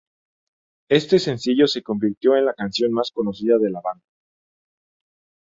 Este sencillo se convirtió en la canción más conocida de la banda.